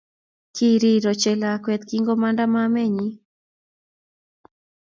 Kirir ochei lakwet kingomanda mama nenyi